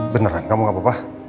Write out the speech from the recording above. beneran kamu gak apa apa